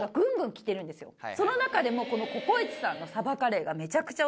その中でもこのココイチさんのさばカレーが。